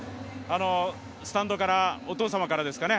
スタンドからお父様からですかね